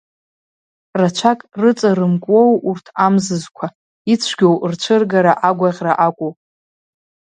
Рацәак рыҵарымкуоу урҭ амзызқәа, ицәгьоу рцәыргара агәаӷьра акәу?